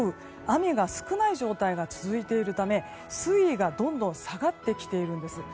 雨が少ない状態が続いているため水位がどんどん下がってきているんです。